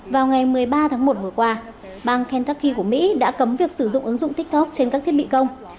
vào ngày một mươi ba tháng một vừa qua bang kentaki của mỹ đã cấm việc sử dụng ứng dụng tiktok trên các thiết bị công